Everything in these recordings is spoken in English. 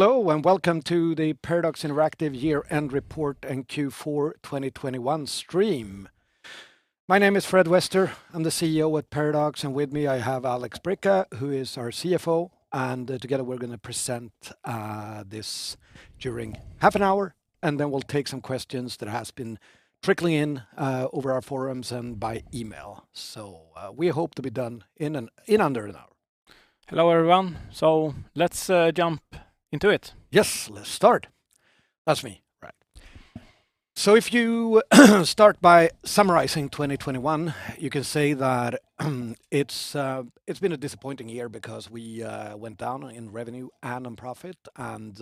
Hello and welcome to the Paradox Interactive year-end report and Q4 2021 stream. My name is Fredrik Wester. I'm the CEO at Paradox, and with me I have Alexander Bricca, who is our CFO, and together we're gonna present this during half an hour, and then we'll take some questions that has been trickling in over our forums and by email. So, we hope to be done in under an hour. Hello, everyone. Let's jump into it. Yes. Let's start. That's me. Right. If you start by summarizing 2021, you can say that it's been a disappointing year because we went down in revenue and in profit, and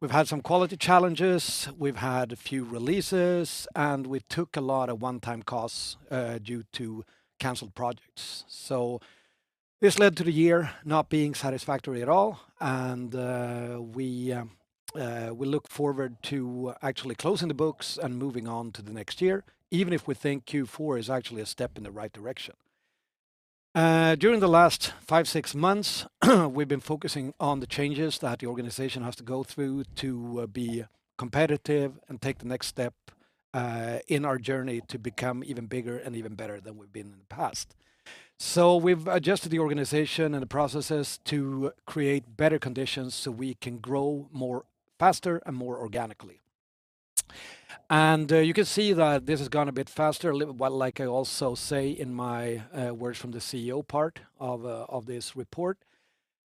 we've had some quality challenges, we've had a few releases, and we took a lot of one-time costs due to canceled projects. This led to the year not being satisfactory at all and we look forward to actually closing the books and moving on to the next year, even if we think Q4 is actually a step in the right direction. During the last five, six months, we've been focusing on the changes that the organization has to go through to be competitive and take the next step in our journey to become even bigger and even better than we've been in the past. We've adjusted the organization and the processes to create better conditions so we can grow more faster and more organically. You can see that this has gone a bit faster a little, but like I also say in my words from the CEO part of this report,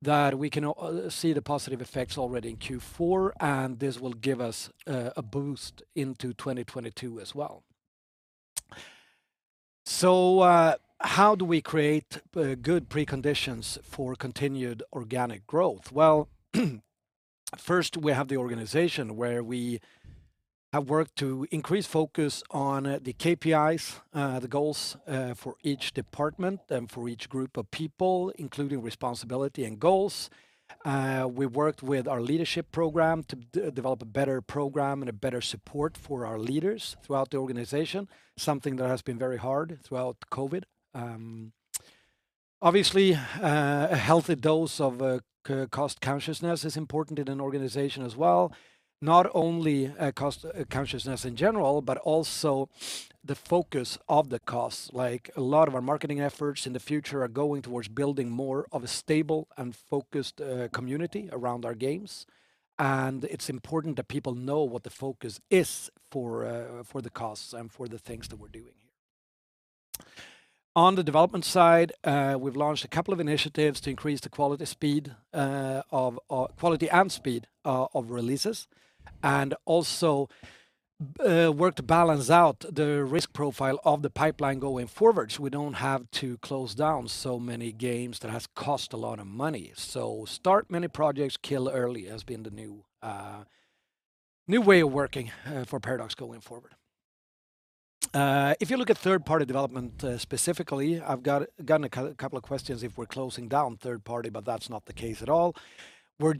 that we can also see the positive effects already in Q4 and this will give us a boost into 2022 as well. How do we create good preconditions for continued organic growth? Well, first we have the organization where we have worked to increase focus on the KPIs, the goals, for each department and for each group of people, including responsibility and goals. We worked with our leadership program to develop a better program and a better support for our leaders throughout the organization, something that has been very hard throughout COVID. Obviously, a healthy dose of cost-consciousness is important in an organization as well, not only cost-consciousness in general, but also the focus of the cost. Like, a lot of our marketing efforts in the future are going towards building more of a stable and focused community around our games, and it's important that people know what the focus is for the costs and for the things that we're doing here. On the development side, we've launched a couple of initiatives to increase the quality and speed of releases, and also work to balance out the risk profile of the pipeline going forwards. We don't have to close down so many games that has cost a lot of money. Start many projects, kill early has been the new way of working for Paradox going forward. If you look at third-party development specifically, I've gotten a couple of questions if we're closing down third-party, but that's not the case at all. We're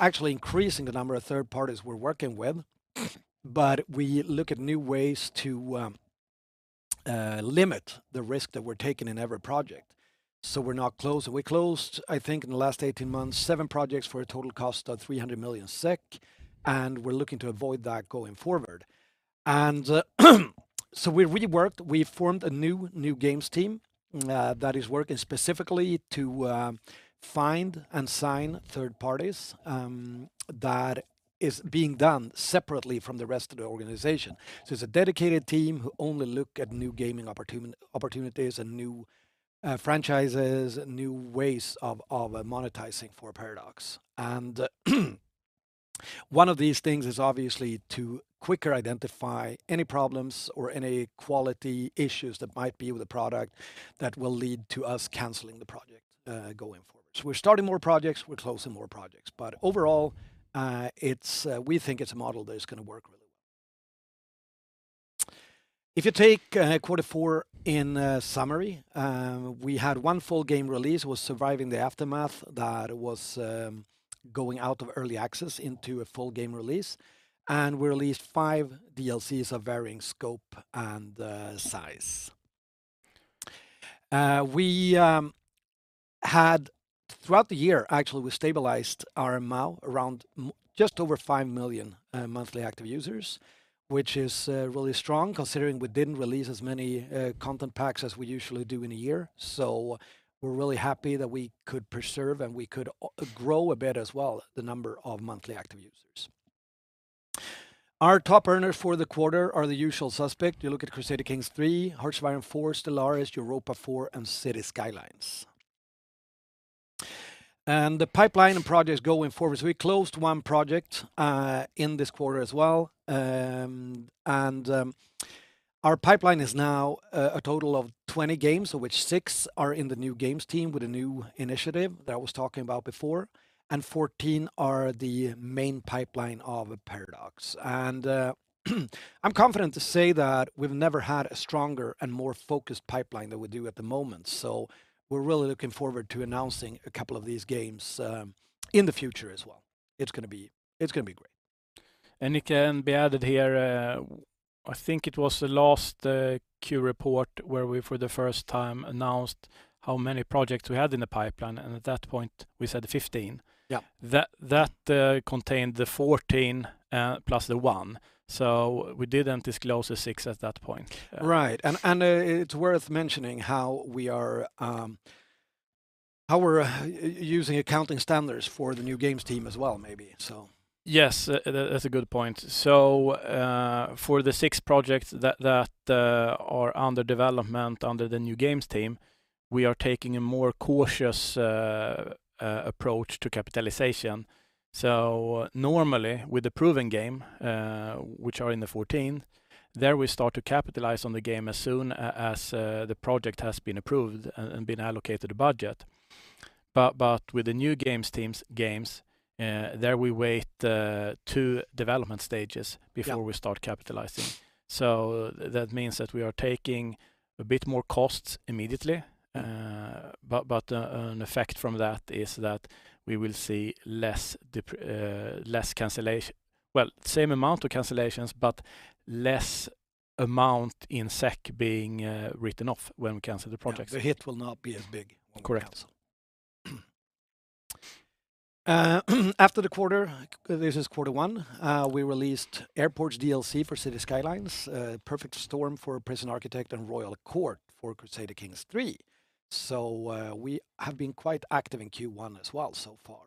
actually increasing the number of third parties we're working with, but we look at new ways to limit the risk that we're taking in every project, so we're not closing. We closed, I think in the last 18 months, seven projects for a total cost of 300 million SEK, and we're looking to avoid that going forward. We really worked. We formed a new games team that is working specifically to find and sign third parties. That is being done separately from the rest of the organization. It's a dedicated team who only look at new gaming opportunities and new franchises, new ways of monetizing for Paradox. One of these things is obviously to quicker identify any problems or any quality issues that might be with a product that will lead to us canceling the project going forward. We're starting more projects, we're closing more projects, but overall, we think it's a model that is gonna work really well. If you take quarter four in a summary, we had one full game release, Surviving the Aftermath, that was going out of early access into a full game release, and we released five DLCs of varying scope and size. We had, throughout the year actually, we stabilized our MAU around just over 5 million monthly active users, which is really strong considering we didn't release as many content packs as we usually do in a year. We're really happy that we could preserve and we could grow a bit as well the number of monthly active users. Our top earners for the quarter are the usual suspects. You look at Crusader Kings III, Hearts of Iron IV, Stellaris, EU4, and Cities: Skylines. The pipeline and projects going forward. We closed one project in this quarter as well. Our pipeline is now a total of 20 games, of which six are in the new games team with a new initiative that I was talking about before, and 14 are the main pipeline of Paradox. I'm confident to say that we've never had a stronger and more focused pipeline than we do at the moment. We're really looking forward to announcing a couple of these games in the future as well. It's gonna be great. It can be added here. I think it was the last Q report where we, for the first time, announced how many projects we had in the pipeline, and at that point we said 15. Yeah. That contained the 14+ the one. We didn't disclose the six at that point. Right. It's worth mentioning how we're using accounting standards for the new games team as well maybe, so. Yes. That's a good point. For the six projects that are under development under the new games team, we are taking a more cautious approach to capitalization. Normally with a proven game which are in the portfolio, there we start to capitalize on the game as soon as the project has been approved and been allocated a budget. With the new games team's games, there we wait two development stages. Yeah. Before we start capitalizing. That means that we are taking a bit more costs immediately. An effect from that is that we will see less cancellation. Same amount of cancellations, but less amount in SEK being written off when we cancel the projects. Yeah. The hit will not be as big when we cancel. Correct. After the quarter, this is quarter one, we released Airports DLC for Cities: Skylines, Perfect Storm for Prison Architect, and Royal Court for Crusader Kings III. We have been quite active in Q1 as well so far.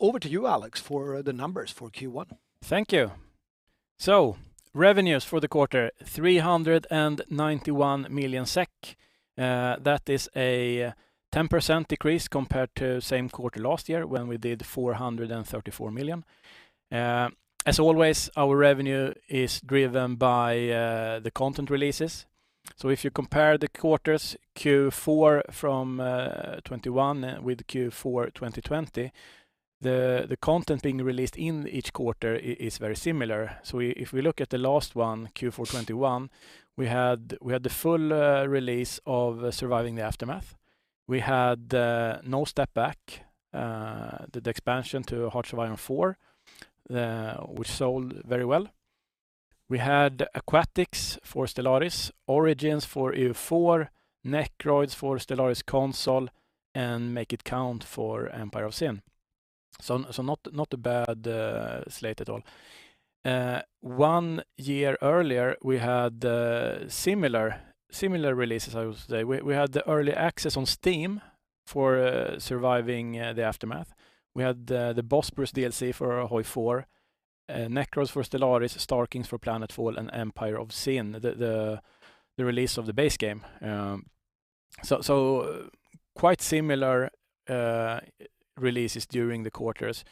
Over to you, Alex, for the numbers for Q1. Thank you. Revenues for the quarter, 391 million SEK. That is a 10% decrease compared to same quarter last year when we did 434 million. As always, our revenue is driven by the content releases. If you compare the quarters, Q4 2021 with Q4 2020, the content being released in each quarter is very similar. If we look at the last one, Q4 2021, we had the full release of Surviving the Aftermath. We had No Step Back, the expansion to Hearts of Iron IV, which sold very well. We had Aquatics for Stellaris, Origins for EU4, Necroids for Stellaris Console, and Make It Count for Empire of Sin. Not a bad slate at all. One year earlier, we had similar releases, I would say. We had the early access on Steam for Surviving the Aftermath. We had the Bosporus DLC for Hearts of Iron IV, Necroids for Stellaris, Star Kings for Age of Wonders: Planetfall, and Empire of Sin, the release of the base game. Quite similar releases during the quarters.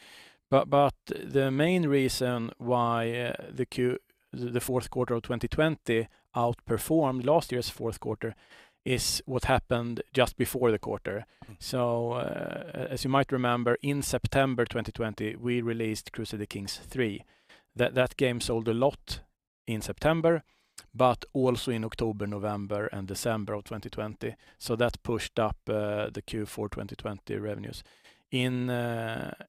The main reason why the fourth quarter of 2020 outperformed last year's fourth quarter is what happened just before the quarter. Mm-hmm. As you might remember, in September 2020, we released Crusader Kings III. That game sold a lot in September, but also in October, November, and December of 2020. That pushed up the Q4 2020 revenues. In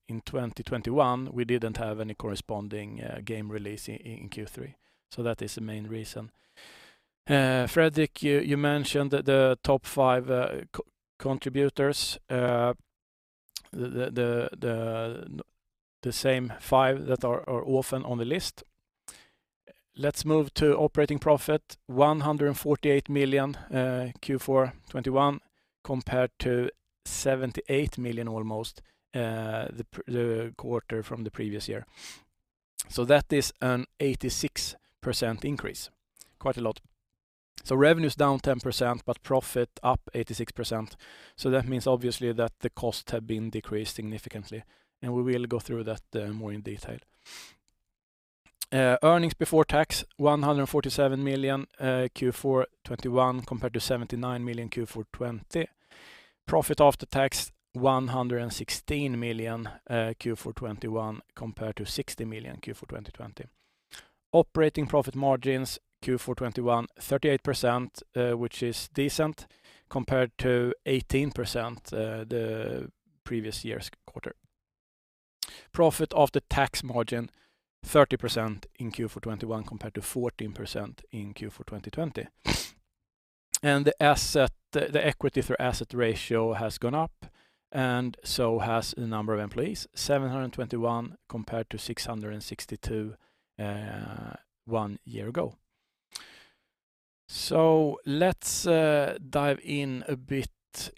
2021, we didn't have any corresponding game release in Q3. That is the main reason. Fredrik, you mentioned the top five contributors, the same five that are often on the list. Let's move to operating profit of 148 million in Q4 2021 compared to almost 78 million, the quarter from the previous year. That is an 86% increase. Quite a lot. Revenue's down 10%, but profit up 86%. That means obviously that the costs have been decreased significantly, and we will go through that more in detail. Earnings before tax, 147 million, Q4 2021 compared to 79 million Q4 2020. Profit after tax, 116 million, Q4 2021 compared to 60 million Q4 2020. Operating profit margins Q4 2021, 38%, which is decent compared to 18%, the previous year's quarter. Profit after tax margin, 30% in Q4 2021 compared to 14% in Q4 2020. The equity for asset ratio has gone up, and so has the number of employees, 721 compared to 662, one year ago. Let's dive in a bit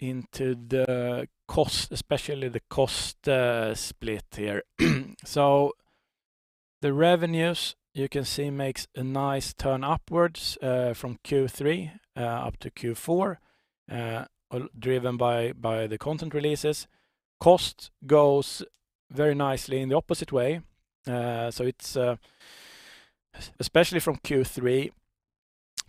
into the cost, especially the split here. The revenues you can see makes a nice turn upwards, from Q3 up to Q4, driven by the content releases. Cost goes very nicely in the opposite way. It's especially from Q3.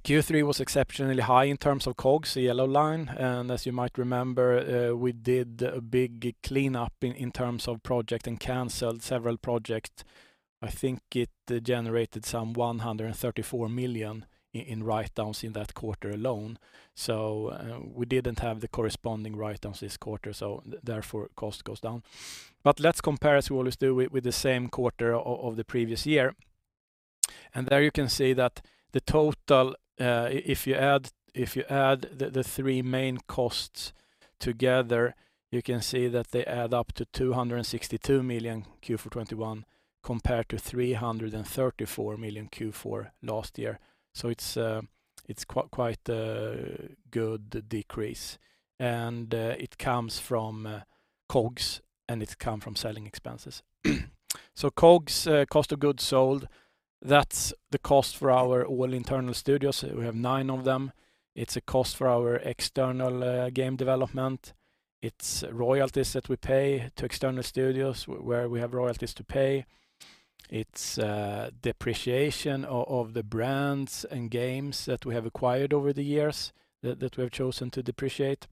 Q3 was exceptionally high in terms of COGS, the yellow line, and as you might remember, we did a big cleanup in terms of projects and canceled several projects. I think it generated some 134 million in write-downs in that quarter alone. We didn't have the corresponding write-downs this quarter, so therefore costs go down. Let's compare, as we always do, with the same quarter of the previous year. There you can see that the total, if you add the three main costs together, you can see that they add up to 262 million Q4 2021, compared to 334 million Q4 last year. It's quite a good decrease and it comes from COGS, and it comes from selling expenses. COGS, cost of goods sold, that's the cost for our internal studios. We have nine of them. It's a cost for our external game development. It's royalties that we pay to external studios where we have royalties to pay. It's depreciation of the brands and games that we have acquired over the years that we have chosen to depreciate,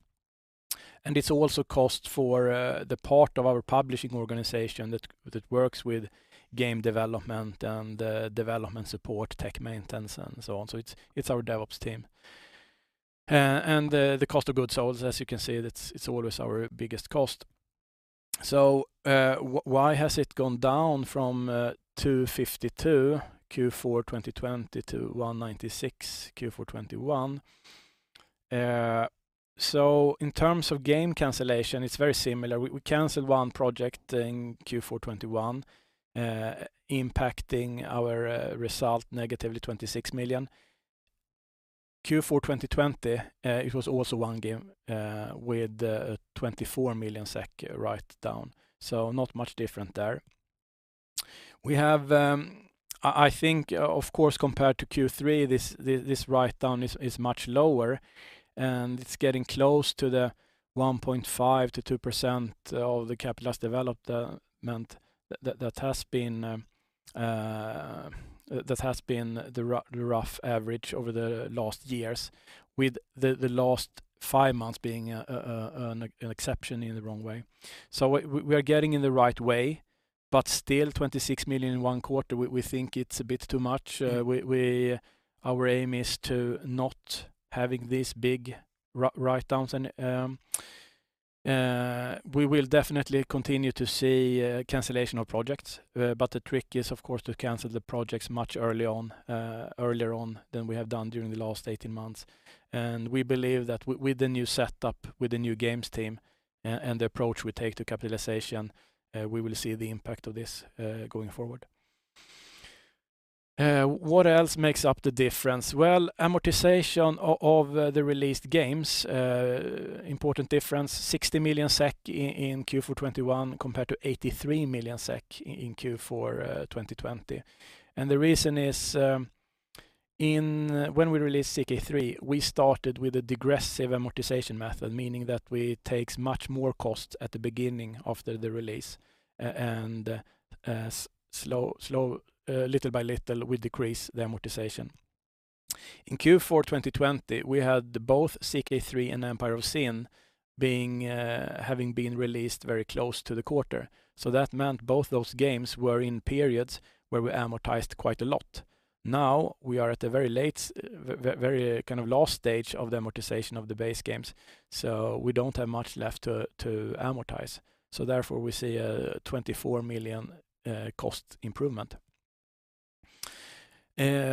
and it's also the cost for the part of our publishing organization that works with game development and development support, tech maintenance, and so on. It's our DevOps team. The cost of goods sold, as you can see, it's always our biggest cost. Why has it gone down from 252 Q4 2020-SEK 196 Q4 2021? In terms of game cancellation, it's very similar. We canceled one project in Q4 2021, impacting our result negatively 26 million. Q4 2020, it was also one game with 24 million SEK write-down, so not much different there. I think, of course, compared to Q3, this write-down is much lower, and it's getting close to the 1.5%-2% of the capitalized development that has been the rough average over the last years, with the last five months being an exception in the wrong way. We are getting in the right way, but still 26 million in 1/4, we think it's a bit too much. Our aim is to not having these big write-downs and we will definitely continue to see cancellation of projects, but the trick is, of course, to cancel the projects earlier on than we have done during the last 18 months. We believe that with the new setup, with the new games team and the approach we take to capitalization, we will see the impact of this going forward. What else makes up the difference? Amortization of the released games, important difference, 60 million SEK in Q4 2021 compared to 83 million SEK in Q4 2020. The reason is, when we released CK3, we started with a digressive amortization method, meaning that we takes much more cost at the beginning of the release and, slow, little by little we decrease the amortization. In Q4 2020, we had both CK3 and Empire of Sin being having been released very close to the quarter. That meant both those games were in periods where we amortized quite a lot. Now, we are at the very late, very kind of last stage of the amortization of the base games, so we don't have much left to amortize. Therefore, we see a 24 million cost improvement.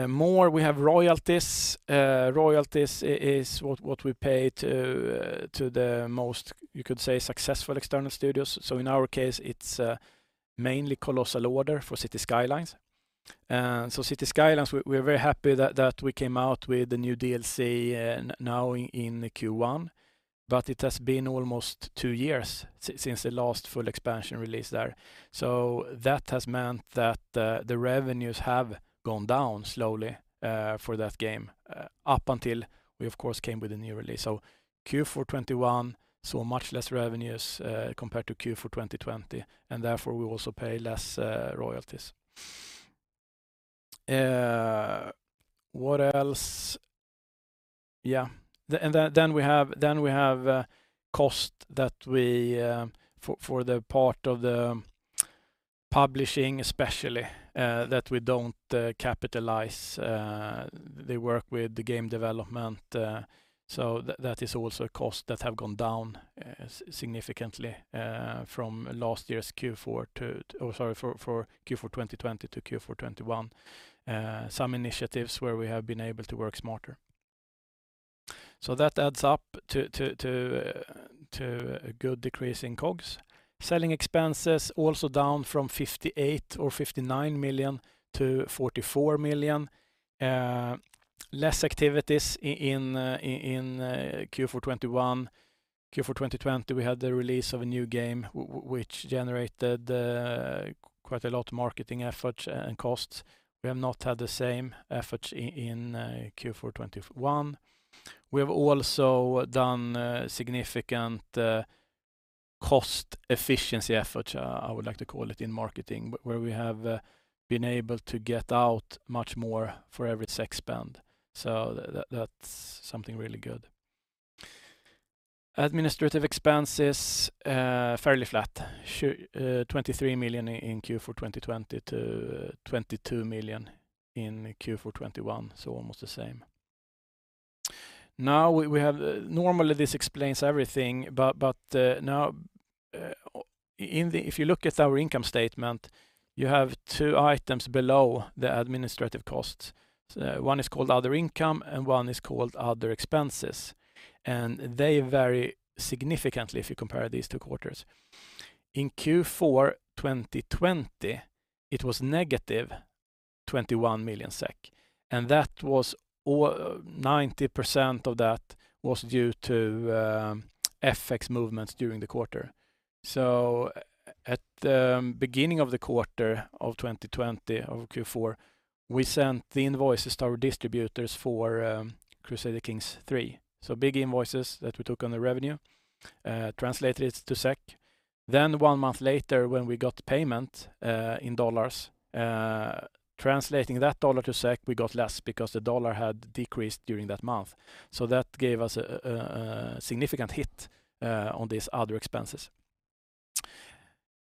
Moreover we have royalties. Royalties is what we pay to the most, you could say, successful external studios. In our case, it's mainly Colossal Order for Cities: Skylines. Cities: Skylines, we're very happy that we came out with a new DLC now in Q1. It has been almost two years since the last full expansion release there. That has meant that the revenues have gone down slowly for that game up until we of course came with a new release. Q4 2021 saw much less revenues compared to Q4 2020, and therefore we also pay less royalties. What else? Yeah. We have costs that we for the part of the publishing especially that we don't capitalize the work with the game development. That is also a cost that have gone down significantly from Q4 2020 to Q4 2021. Some initiatives where we have been able to work smarter. That adds up to a good decrease in COGS. Selling expenses also down from 58 million or 59 million-44 million. Less activities in Q4 2021. Q4 2020, we had the release of a new game which generated quite a lot marketing effort and costs. We have not had the same effort in Q4 2021. We have also done significant cost efficiency effort, I would like to call it, in marketing where we have been able to get out much more for every SEK spend. That's something really good. Administrative expenses fairly flat, 23 million in Q4 2020 to 22 million in Q4 2021, almost the same. We have normally this explains everything, but now, if you look at our income statement, you have two items below the administrative costs. One is called other income, and one is called other expenses, and they vary significantly if you compare these two quarters. In Q4 2020, it was -21 million SEK, and 90% of that was due to FX movements during the quarter. At the beginning of the quarter of 2020, of Q4, we sent the invoices to our distributors for Crusader Kings III. Big invoices that we took on the revenue, translated it to SEK. One month later, when we got the payment in dollars, translating that dollar to SEK, we got less because the dollar had decreased during that month. That gave us a significant hit on these other expenses.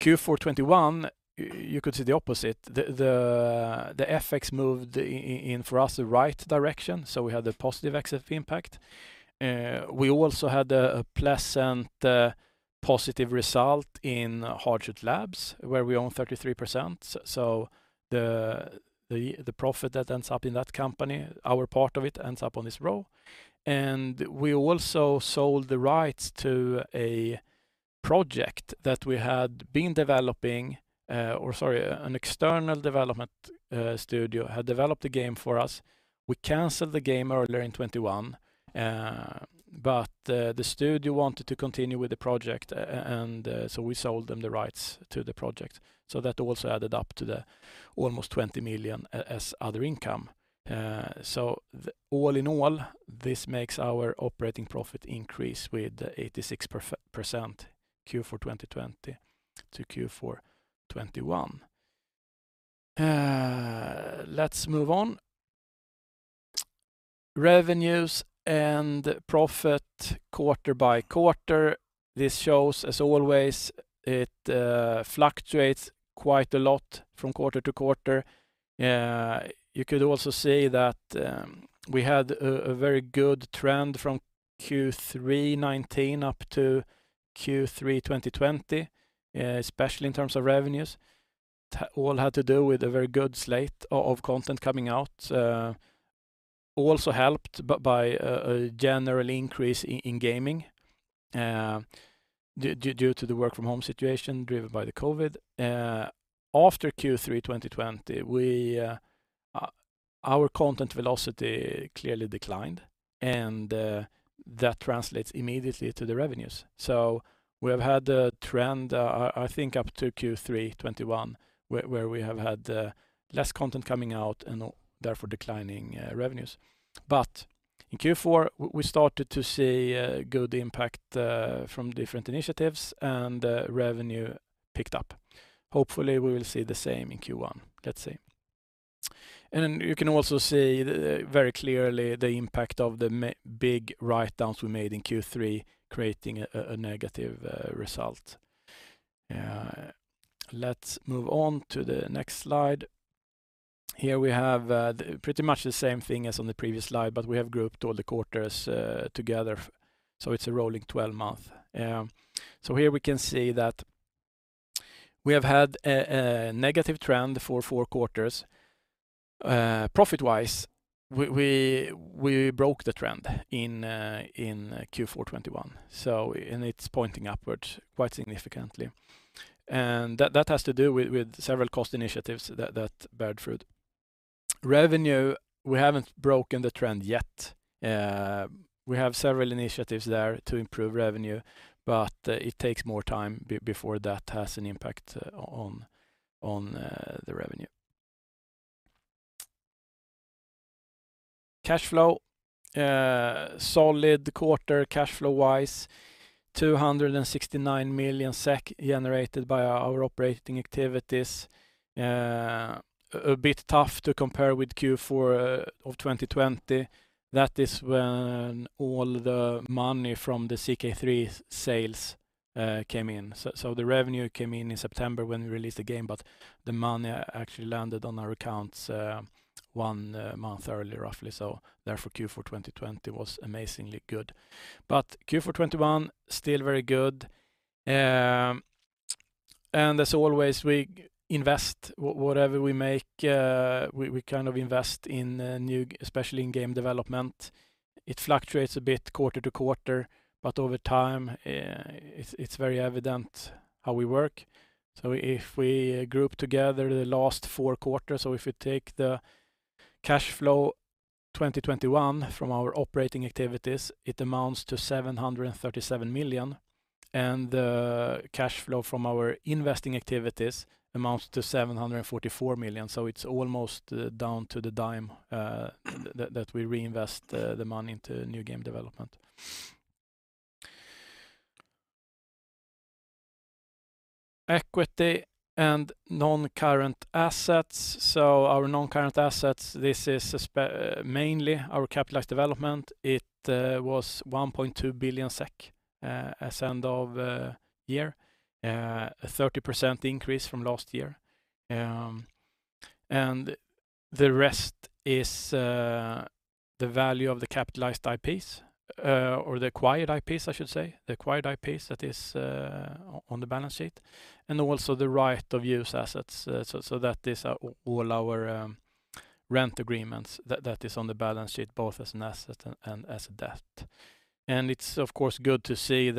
Q4 2021, you could see the opposite. The FX moved in, for us, the right direction, so we had a positive FX impact. We also had a pleasant positive result in Hardsuit Labs, where we own 33%. The profit that ends up in that company, our part of it ends up on this row. We also sold the rights to a project that an external development studio had developed a game for us. We canceled the game earlier in 2021, but the studio wanted to continue with the project, and so we sold them the rights to the project. That also added up to almost 20 million as other income. All in all, this makes our operating profit increase with 86%, Q4 2020-Q4 2021. Let's move on. Revenues and profit quarter by quarter. This shows, as always, it fluctuates quite a lot from quarter to quarter. You could also see that we had a very good trend from Q3 2019 up to Q3 2020, especially in terms of revenues. All had to do with a very good slate of content coming out, also helped by a general increase in gaming due to the work-from-home situation driven by the COVID. After Q3 2020, our content velocity clearly declined, and that translates immediately to the revenues. We have had a trend, I think up to Q3 2021 where we have had less content coming out and therefore declining revenues. In Q4, we started to see a good impact from different initiatives, and revenue picked up. Hopefully, we will see the same in Q1. Let's see. You can also see very clearly the impact of the big write-downs we made in Q3, creating a negative result. Let's move on to the next slide. Here we have pretty much the same thing as on the previous slide, but we have grouped all the quarters together so it's a rolling 12-month. So here we can see that we have had a negative trend for four quarters. Profit-wise, we broke the trend in Q4 2021, and it's pointing upwards quite significantly. That has to do with several cost initiatives that bore fruit. Revenue, we haven't broken the trend yet. We have several initiatives there to improve revenue, but it takes more time before that has an impact on the revenue. Cash flow. Solid quarter cash flow-wise. 269 million SEK generated by our operating activities. A bit tough to compare with Q4 of 2020. That is when all the money from the CK3 sales came in. The revenue came in in September when we released the game, but the money actually landed on our accounts one month earlier, roughly. Therefore, Q4 2020 was amazingly good. Q4 2021 still very good. As always, we invest whatever we make. We kind of invest in, especially in game development. It fluctuates a bit quarter to quarter, but over time, it's very evident how we work. If we group together the last 3/4, or if we take the cash flow 2021 from our operating activities, it amounts to 737 million, and the cash flow from our investing activities amounts to 744 million. It's almost down to the dime that we reinvest the money into new game development. Equity and non-current assets. Our non-current assets, this is mainly our capitalized development. It was 1.2 billion SEK as of end of year. A 30% increase from last year. The rest is the value of the capitalized IPs or the acquired IPs, I should say, the acquired IPs that is on the balance sheet, and also the right of use assets. That is all our rent agreements that is on the balance sheet both as an asset and as a debt. It's of course good to see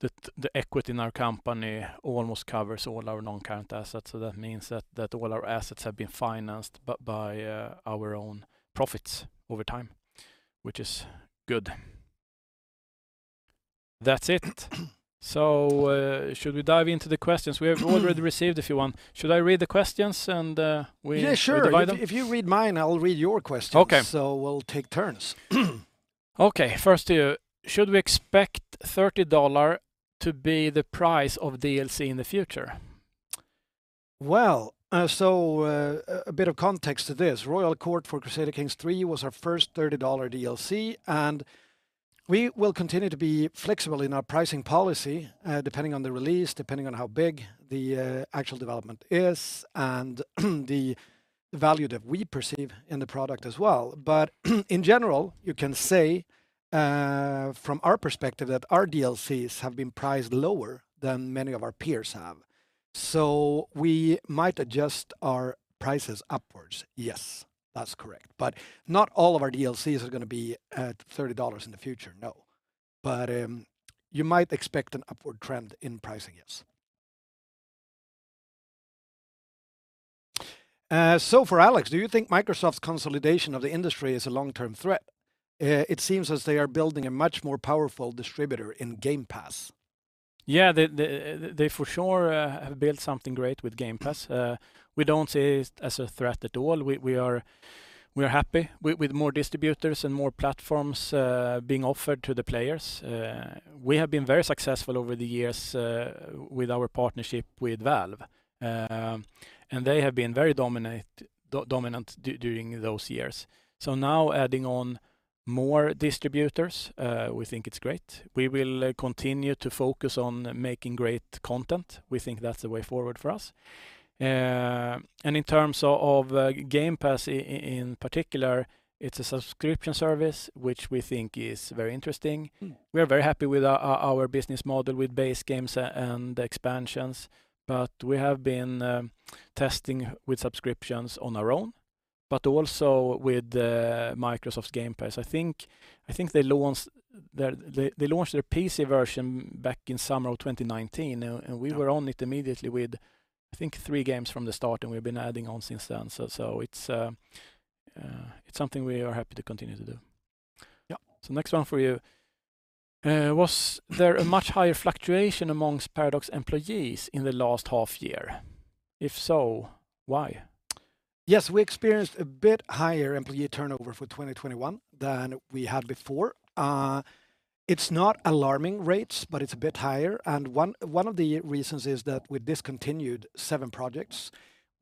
that the equity in our company almost covers all our non-current assets. That means that all our assets have been financed by our own profits over time, which is good. That's it. Should we dive into the questions? We have already received a few. One. Should I read the questions and we go by them? Yeah, sure. If you read mine, I'll read your questions. Okay. We'll take turns. Okay, first here, should we expect $30 to be the price of DLC in the future? Well, a bit of context to this. Royal Court for Crusader Kings III was our first $30 DLC, and we will continue to be flexible in our pricing policy, depending on the release, depending on how big the actual development is and the value that we perceive in the product as well. In general, you can say, from our perspective that our DLCs have been priced lower than many of our peers have. We might adjust our prices upwards. Yes, that's correct. Not all of our DLCs are gonna be at $30 in the future, no. You might expect an upward trend in pricing, yes. For Alex, do you think Microsoft's consolidation of the industry is a long-term threat? It seems as they are building a much more powerful distributor in Game Pass. Yeah. They for sure have built something great with Game Pass. We don't see it as a threat at all. We are happy with more distributors and more platforms being offered to the players. We have been very successful over the years with our partnership with Valve. They have been very dominant during those years. Now adding on more distributors, we think it's great. We will continue to focus on making great content. We think that's the way forward for us. In terms of Game Pass in particular, it's a subscription service, which we think is very interesting. Mm. We are very happy with our business model with base games and expansions, but we have been testing with subscriptions on our own, but also with Microsoft's Game Pass. I think they launched their PC version back in summer of 2019 and Yeah We were on it immediately with, I think, three games from the start, and we've been adding on since then. It's something we are happy to continue to do. Yeah. Next one for you. Was there a much higher fluctuation among Paradox employees in the last half year? If so, why? Yes, we experienced a bit higher employee turnover for 2021 than we had before. It's not alarming rates, but it's a bit higher. One of the reasons is that we discontinued seven projects.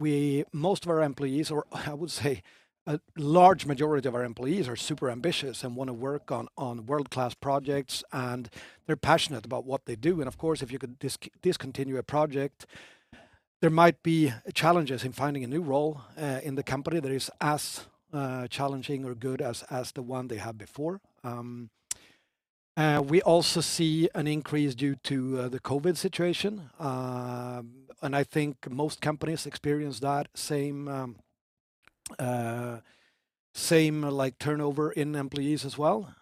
Most of our employees, or I would say a large majority of our employees, are super ambitious and wanna work on world-class projects, and they're passionate about what they do. Of course, if you discontinue a project, there might be challenges in finding a new role in the company that is as challenging or good as the one they had before. We also see an increase due to the COVID situation. I think most companies experience that same, like, turnover in employees as well.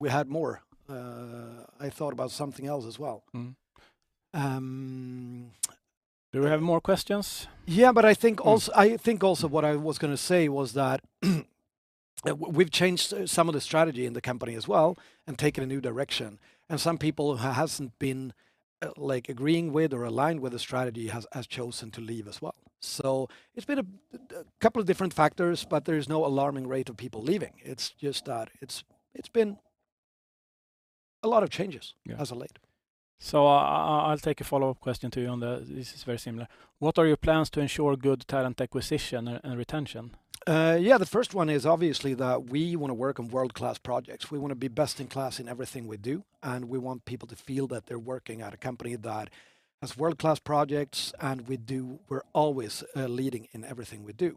We had more. I thought about something else as well. Mm. Um. Do we have more questions? Yeah. I think also. Mm I think also what I was gonna say was that we've changed some of the strategy in the company as well and taken a new direction, and some people hasn't been, like, agreeing with or aligned with the strategy has chosen to leave as well. It's been a couple of different factors, but there is no alarming rate of people leaving. It's just that it's been a lot of changes. Yeah As of late. I'll take a follow-up question to you. This is very similar. What are your plans to ensure good talent acquisition and retention? Yeah. The first one is obviously that we wanna work on world-class projects. We wanna be best in class in everything we do, and we want people to feel that they're working at a company that has world-class projects, and we're always leading in everything we do.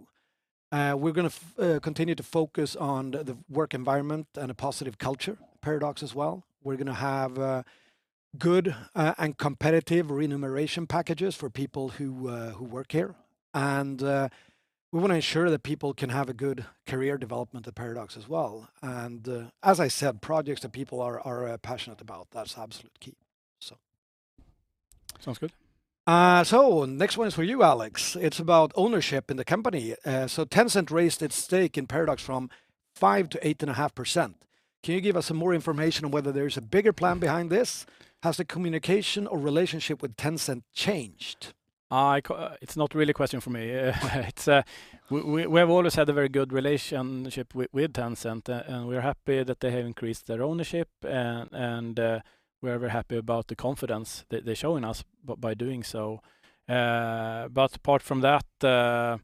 We're gonna continue to focus on the work environment and a positive culture at Paradox as well. We're gonna have good and competitive remuneration packages for people who work here. We wanna ensure that people can have a good career development at Paradox as well. As I said, projects that people are passionate about, that's absolute key. Sounds good. Next one is for you, Alex. It's about ownership in the company. Tencent raised its stake in Paradox from 5%-8.5%. Can you give us some more information on whether there is a bigger plan behind this? Has the communication or relationship with Tencent changed? It's not really a question for me. We have always had a very good relationship with Tencent, and we're happy that they have increased their ownership, and we're very happy about the confidence they're showing us by doing so. Apart from that,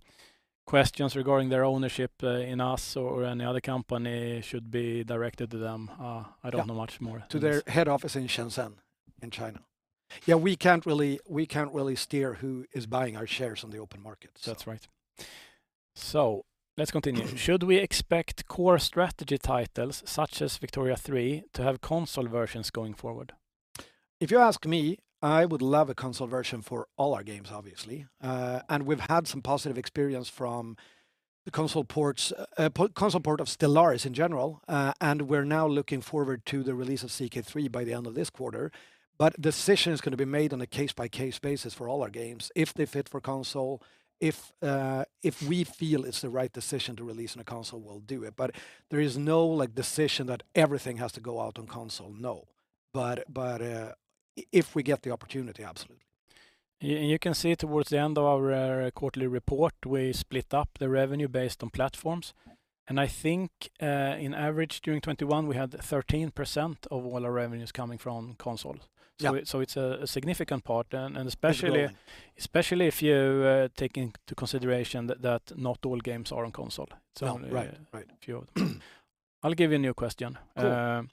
questions regarding their ownership in us or any other company should be directed to them. I don't know much more than this. Yeah. To their head office in Shenzhen in China. Yeah, we can't really steer who is buying our shares on the open market, so. That's right. Let's continue. Should we expect core strategy titles such as Victoria 3 to have console versions going forward? If you ask me, I would love a console version for all our games, obviously. We've had some positive experience from the console ports, console port of Stellaris in general. We're now looking forward to the release of CK3 by the end of this quarter. Decision is gonna be made on a case-by-case basis for all our games. If they fit for console, if we feel it's the right decision to release on a console, we'll do it. There is no, like, decision that everything has to go out on console, no. If we get the opportunity, absolutely. Yeah, you can see towards the end of our quarterly report, we split up the revenue based on platforms. I think, in average, during 2021, we had 13% of all our revenues coming from consoles. Yeah. It's a significant part and- It is growing. Especially if you take into consideration that not all games are on console. It's only. Yeah. Right. A few of them. I'll give you a new question. Cool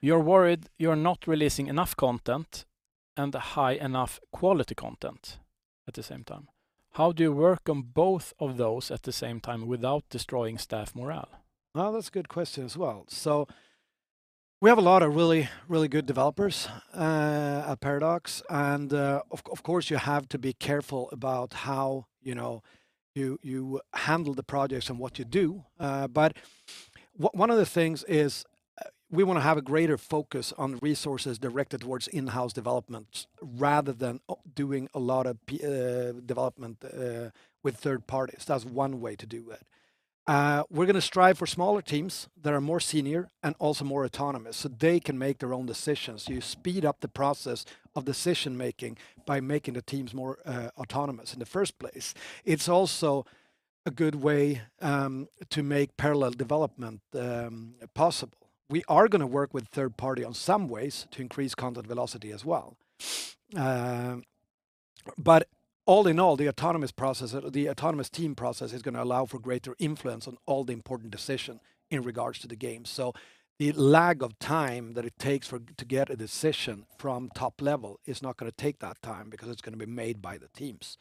You're worried you're not releasing enough content and a high enough quality content at the same time. How do you work on both of those at the same time without destroying staff morale? Well, that's a good question as well. We have a lot of really good developers at Paradox. Of course, you have to be careful about how, you know, you handle the projects and what you do. One of the things is, we wanna have a greater focus on resources directed towards in-house development rather than doing a lot of development with third parties. That's one way to do it. We're gonna strive for smaller teams that are more senior and also more autonomous, so they can make their own decisions. You speed up the process of decision-making by making the teams more autonomous in the first place. It's also a good way to make parallel development possible. We are gonna work with third party on some ways to increase content velocity as well. All in all, the autonomous process, the autonomous team process is gonna allow for greater influence on all the important decision in regards to the game. The lag of time that it takes to get a decision from top level is not gonna take that time because it's gonna be made by the teams.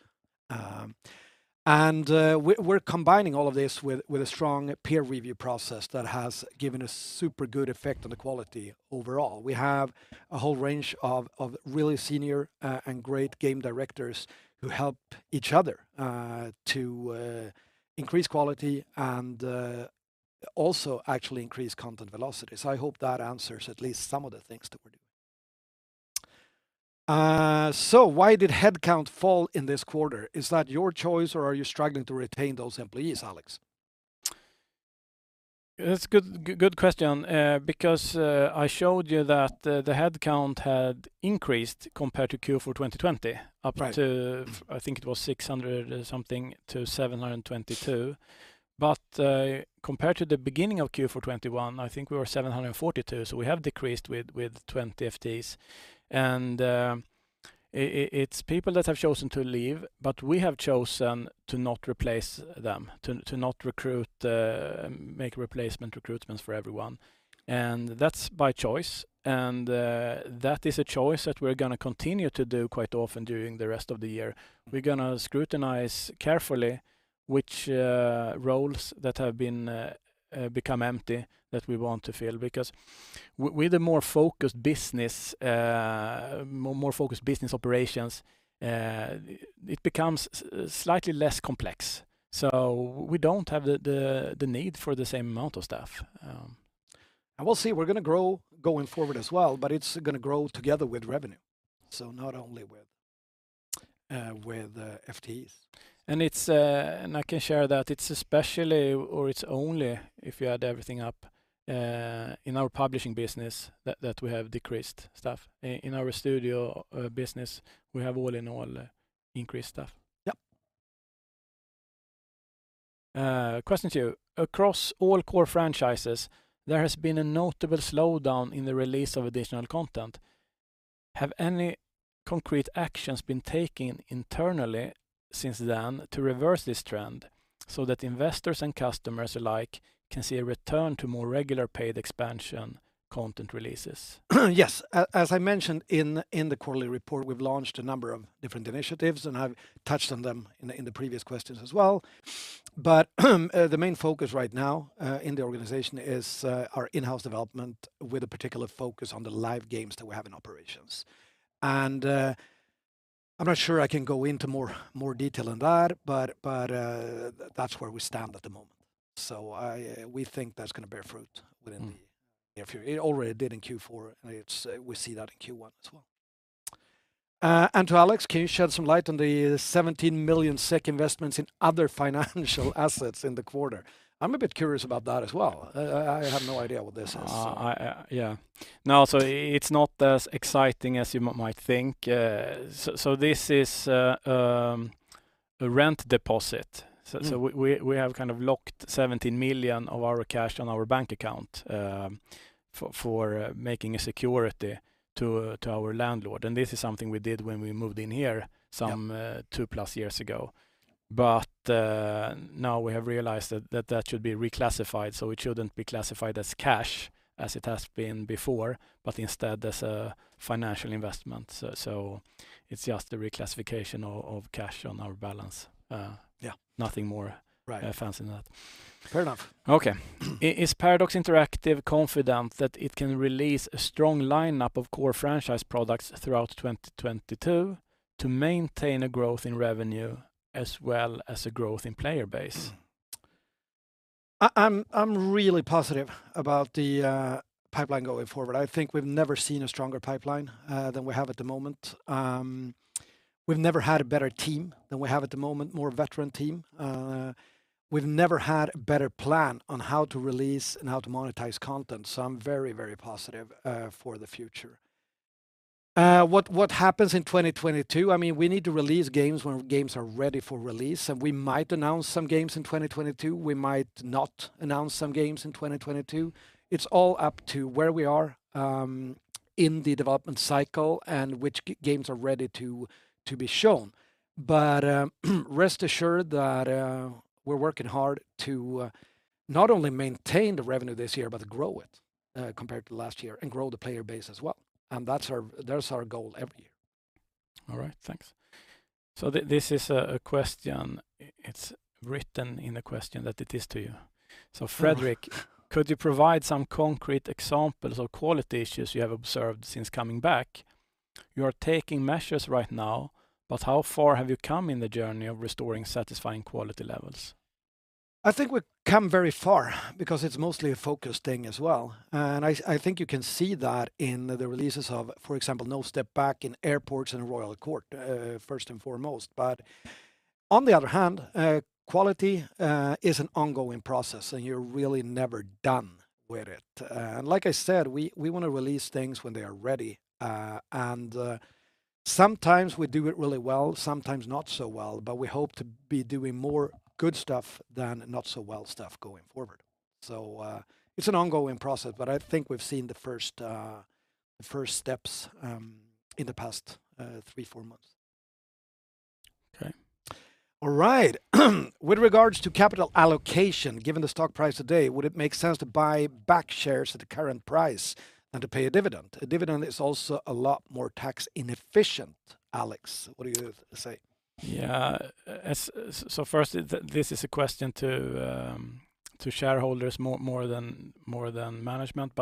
We're combining all of this with a strong peer review process that has given a super good effect on the quality overall. We have a whole range of really senior and great game directors who help each other to increase quality and also actually increase content velocity. I hope that answers at least some of the things that we're doing. Why did headcount fall in this quarter? Is that your choice or are you struggling to retain those employees, Alex? It's good question. Because I showed you that the headcount had increased compared to Q4 2020 up to. Right I think it was 600-something to 722. Compared to the beginning of Q4 2021, I think we were 742, so we have decreased with 20 FTEs. It's people that have chosen to leave, but we have chosen to not replace them, to not recruit make replacement recruitments for everyone, and that's by choice. That is a choice that we're gonna continue to do quite often during the rest of the year. We're gonna scrutinize carefully which roles that have become empty that we want to fill because with a more focused business, more focused business operations, it becomes slightly less complex. We don't have the need for the same amount of staff. We'll see. We're gonna grow going forward as well, but it's gonna grow together with revenue, so not only with FTEs. I can share that it's only if you add everything up in our publishing business that we have decreased staff. In our studio business, we have all in all increased staff. Yep. Question to you. Across all core franchises, there has been a notable slowdown in the release of additional content. Have any concrete actions been taken internally since then to reverse this trend so that investors and customers alike can see a return to more regular paid expansion content releases? Yes. As I mentioned in the quarterly report, we've launched a number of different initiatives, and I've touched on them in the previous questions as well. The main focus right now in the organization is our in-house development with a particular focus on the live games that we have in operations. I'm not sure I can go into more detail on that, but that's where we stand at the moment. We think that's gonna bear fruit within the. Mm. Year. It already did in Q4, and it's we see that in Q1 as well. To Alex, can you shed some light on the 17 million SEK investments in other financial assets in the quarter? I'm a bit curious about that as well. I have no idea what this is. Yeah. No, it's not as exciting as you might think. This is a rent deposit. Mm. We have kind of locked 17 million of our cash on our bank account, for making a security to our landlord, and this is something we did when we moved in here some. Yep. 2+ years ago. Now we have realized that should be reclassified, so it shouldn't be classified as cash as it has been before, but instead as a financial investment. It's just a reclassification of cash on our balance. Yeah. Nothing more. Right. Fancy than that. Fair enough. Okay. Is Paradox Interactive confident that it can release a strong lineup of core franchise products throughout 2022 to maintain a growth in revenue as well as a growth in player base? I'm really positive about the pipeline going forward. I think we've never seen a stronger pipeline than we have at the moment. We've never had a better team than we have at the moment, more veteran team. We've never had a better plan on how to release and how to monetize content, so I'm very, very positive for the future. What happens in 2022? I mean, we need to release games when games are ready for release, and we might announce some games in 2022. We might not announce some games in 2022. It's all up to where we are in the development cycle and which games are ready to be shown. Rest assured that we're working hard to not only maintain the revenue this year, but grow it compared to last year, and grow the player base as well, and that's our goal every year. All right. Thanks. This is a question. It's written in the question that it is to you. Fredrik. Oh. Could you provide some concrete examples of quality issues you have observed since coming back? You are taking measures right now, but how far have you come in the journey of restoring satisfying quality levels? I think we've come very far because it's mostly a focus thing as well, and I think you can see that in the releases of, for example, No Step Back, Airports, and Royal Court first and foremost. On the other hand, quality is an ongoing process, and you're really never done with it. Like I said, we wanna release things when they are ready. Sometimes we do it really well, sometimes not so well, but we hope to be doing more good stuff than not so well stuff going forward. It's an ongoing process, but I think we've seen the first steps in the past three-four months. Okay. All right. With regards to capital allocation, given the stock price today, would it make sense to buy back shares at the current price than to pay a dividend? A dividend is also a lot more tax inefficient. Alex, what do you say? Yeah. So first, this is a question to shareholders more than management.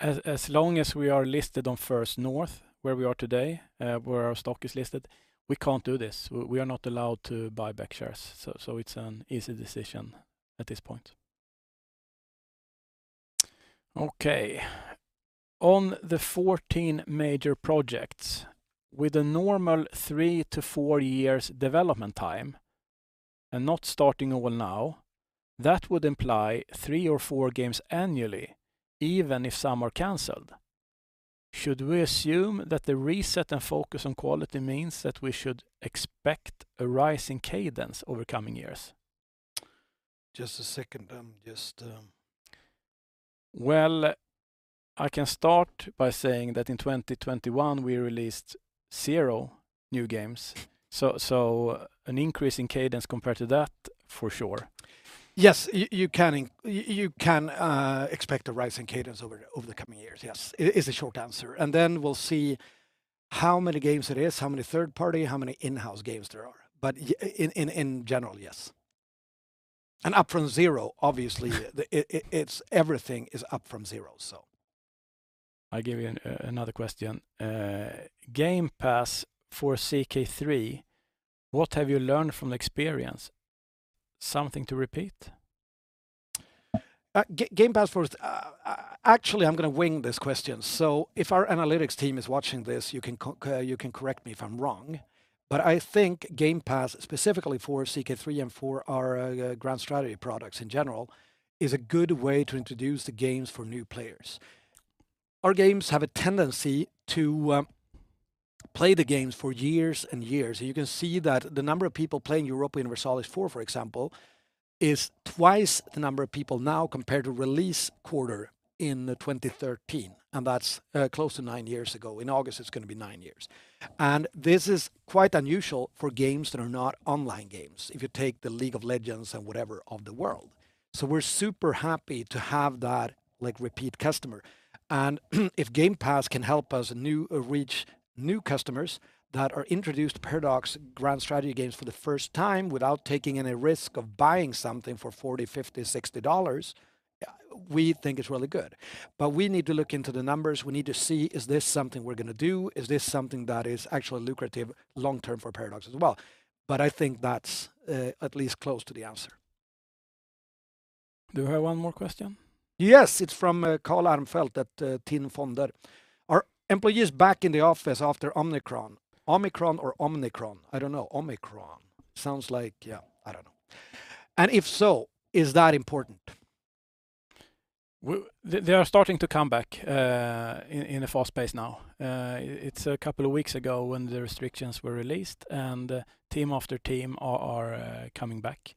As long as we are listed on First North, where we are today, where our stock is listed, we can't do this. We are not allowed to buy back shares, so it's an easy decision at this point. Okay. On the 14 major projects, with a normal three to four years development time and not starting all now, that would imply three or four games annually, even if some are canceled. Should we assume that the reset and focus on quality means that we should expect a rise in cadence over coming years? Just a second. I'm just. Well, I can start by saying that in 2021 we released zero new games. An increase in cadence compared to that, for sure. Yes. You can expect a rise in cadence over the coming years, yes, is the short answer. Then we'll see how many games it is, how many third-party, how many in-house games there are. In general, yes. Up from zero, obviously. Yeah. It's everything is up from zero, so. I'll give you another question. Game Pass for CK3, what have you learned from the experience? Something to repeat? Game Pass for. Actually, I'm gonna wing this question. If our analytics team is watching this, you can correct me if I'm wrong, but I think Game Pass specifically for CK3 and for our Grand Strategy products in general is a good way to introduce the games for new players. Our games have a tendency to play the games for years and years. You can see that the number of people playing Europa Universalis IV, for example, is twice the number of people now compared to release quarter in 2013, and that's close to nine years ago. In August, it's gonna be nine years. This is quite unusual for games that are not online games, if you take the League of Legends and whatever of the world. We're super happy to have that, like, repeat customer, and if Game Pass can help us reach new customers that are introduced to Paradox grand strategy games for the first time without taking any risk of buying something for $40, $50, $60, we think it's really good. We need to look into the numbers. We need to see, is this something we're gonna do? Is this something that is actually lucrative long-term for Paradox as well? I think that's at least close to the answer. Do I have one more question? Yes. It's from Carl Armfelt at TIN Fonder. Are employees back in the office after Omicron? I don't know. Sounds like, yeah, I don't know. If so, is that important? They are starting to come back in a fast pace now. It's a couple of weeks ago when the restrictions were released, and team after team are coming back.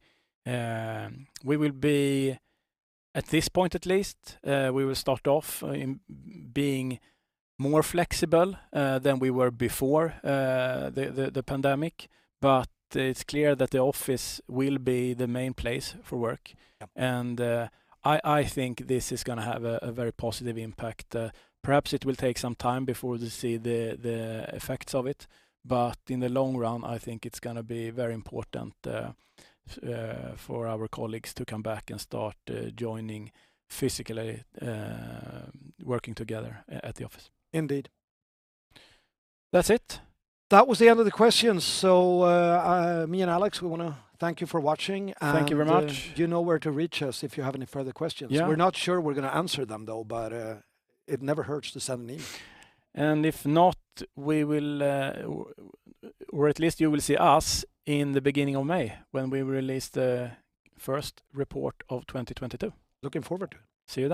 We will be, at this point at least, we will start off in being more flexible than we were before the pandemic. It's clear that the office will be the main place for work. Yeah. I think this is gonna have a very positive impact. Perhaps it will take some time before we see the effects of it, but in the long run, I think it's gonna be very important for our colleagues to come back and start joining physically working together at the office. Indeed. That's it. That was the end of the questions. Me and Alex, we wanna thank you for watching. Thank you very much. You know where to reach us if you have any further questions. Yeah. We're not sure we're gonna answer them though, but, it never hurts to send an email. If not, we will, or at least you will see us in the beginning of May when we release the first report of 2022. Looking forward to it. See you then.